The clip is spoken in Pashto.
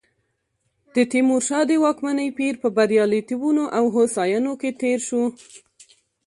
د تیمورشاه د واکمنۍ پیر په بریالیتوبونو او هوساینو کې تېر شو.